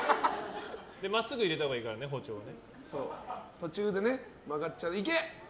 真っすぐ入れたほうがいいからね、包丁は。